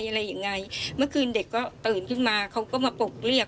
เมื่อคืนเด็กก็ตื่นขึ้นมาเขาก็มาปกเรียก